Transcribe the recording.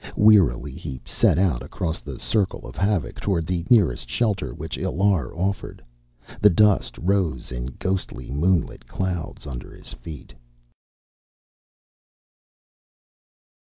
Wearily he set out across the circle of havoc toward the nearest shelter which Illar offered. The dust rose in ghostly, moonlit clouds under his feet.